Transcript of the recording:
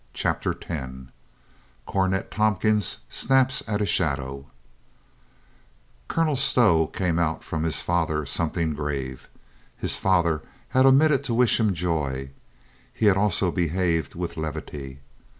CHAPTER TEN CORNET TOMPKINS SNAPS AT A SHADOW COLONEL STOW came out from his father something grave. His father had omitted to wish him joy ; had also behaved with levity.